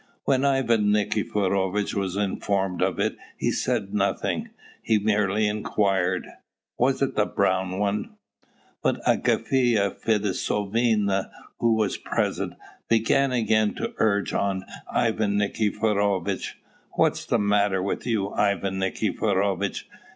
When Ivan Nikiforovitch was informed of it he said nothing: he merely inquired, "Was it the brown one?" But Agafya Fedosyevna, who was present, began again to urge on Ivan Nikiforovitch. "What's the matter with you, Ivan Nikiforovitch?